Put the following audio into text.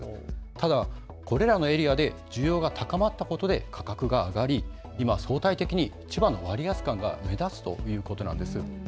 ただこれらのエリアで需要が高まったことで価格が上がり今、相対的に千葉の割安感が目立つということです。